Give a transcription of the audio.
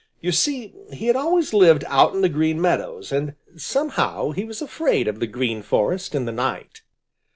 You see he had always lived out in the Green Meadows and somehow he was afraid of the Green Forest in the night.